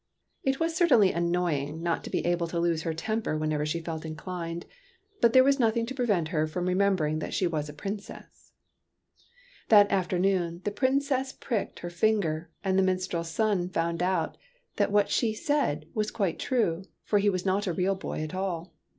It was certainly annoy ing not to be able to lose her temper whenever she felt inclined, but there was nothing to pre vent her from remembering that she was a princess. That afternoon, the Princess pricked her finger, and the minstrel's son found out that TEARS OF PRINCESS PRUNELLA 115 what she had said was quite true, and he was not a real boy at all.